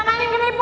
kamu yang penipu